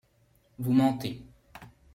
Vous mentez